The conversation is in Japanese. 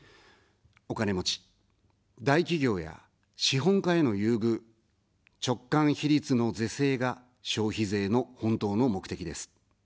お金持ち、大企業や資本家への優遇、直間比率の是正が消費税の本当の目的です。